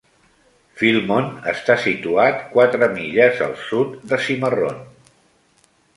Philmont està situat quatre milles al sud de Cimarron.